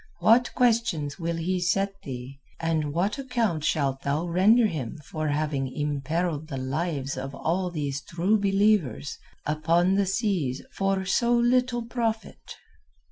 What questions will he set thee, and what account shalt thou render him for having imperilled the lives of all these True Believers upon the seas for so little profit?"